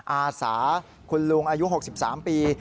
อาสาคุณลุงอายุ๖๓ปี